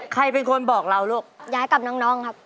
ใครเป็นคนบอกเราลูกย้ายกับน้องน้องครับ